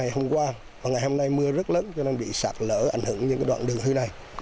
hôm qua và ngày hôm nay mưa rất lớn cho nên bị sạt lở ảnh hưởng những đoạn đường hư này